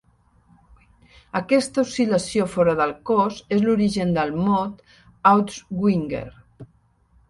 Aquesta oscil·lació fora del cos és l'origen del mot "outswinger".